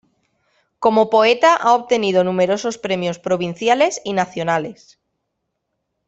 Como poeta ha obtenido numerosos premios provinciales y nacionales.